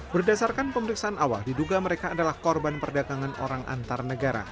berdasarkan pemeriksaan awal diduga mereka adalah korban perdagangan orang antar negara